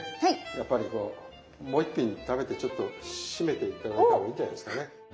やっぱりこうもう一品食べてちょっと締めて頂いた方がいいんじゃないですかね。